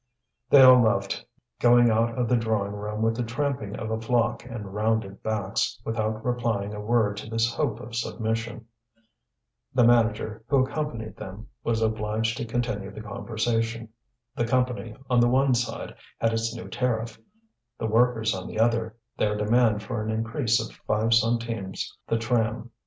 They all left, going out of the drawing room with the tramping of a flock and rounded backs, without replying a word to this hope of submission. The manager, who accompanied them, was obliged to continue the conversation. The Company, on the one side, had its new tariff; the workers, on the other, their demand for an increase of five centimes the tram.